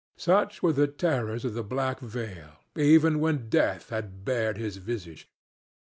Such were the terrors of the black veil even when Death had bared his visage.